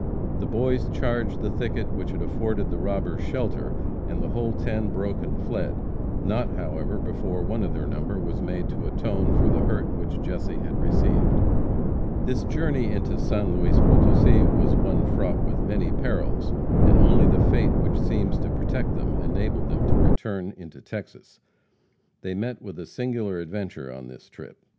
The boys charged the thicket which had afforded the robbers shelter, and the whole ten broke and fled, not however, before one of their number was made to atone for the hurt which Jesse had received. This journey into San Luis Potosi, was one fraught with many perils, and only the fate which seems to protect them, enabled them to return into Texas. They met with a singular adventure on this trip.